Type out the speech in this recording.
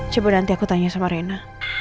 coba nanti aku tanya sama rena